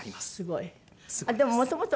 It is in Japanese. すごいです。